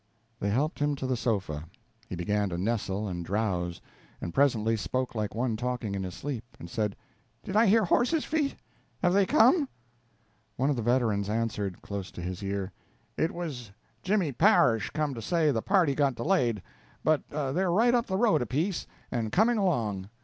They helped him to the sofa. He began to nestle and drowse, but presently spoke like one talking in his sleep, and said: "Did I hear horses' feet? Have they come?" One of the veterans answered, close to his ear: "It was Jimmy Parish come to say the party got delayed, but they're right up the road a piece, and coming along.